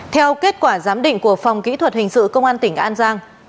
theo kết quả giám định của phòng kỹ thuật hình sự công an tỉnh an giang